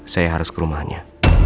saya harus ke rumahnya